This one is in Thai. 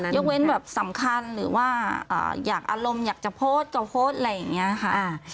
ยกเว้นสำคัญหรือว่าอารมณ์แค่อยากจะโพสต์อยากจะโพสต์อะไรอย่างนี้